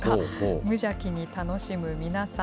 無邪気に楽しむ皆さん。